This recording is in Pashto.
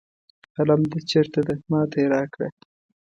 قلم د چېرته ده ما ته یې راکړه